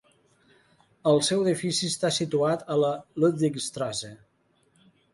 El seu edifici està situat a la Ludwigstrasse.